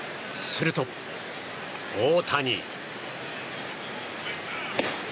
すると、大谷。